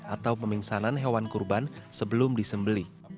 atau pemingsanan hewan kurban sebelum disembeli